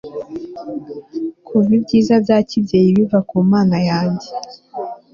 kuva ibyiza bya kibyeyi biva ku mana yanjye